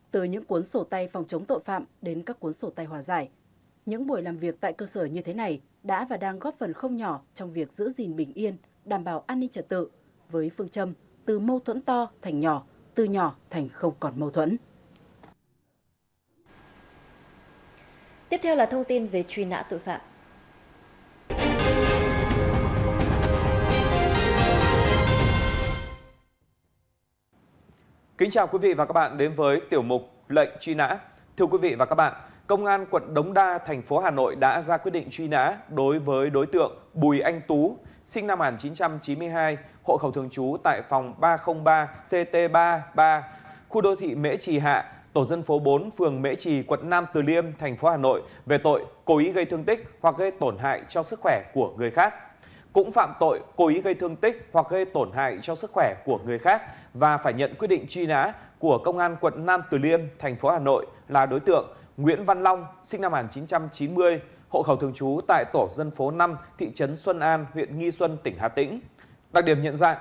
từ những cuốn sổ tay phòng chống tội phạm đến các cuốn sổ tay hòa giải những buổi làm việc tại cơ sở như thế này đã và đang góp phần không nhỏ trong việc giữ gìn bình yên